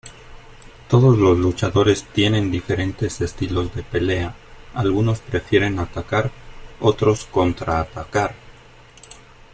Todos los luchadores tienen diferentes estilos de pelea, algunos prefieren atacar, otros contraatacar.